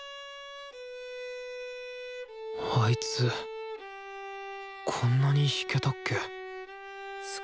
あいつこんなに弾けたっけ？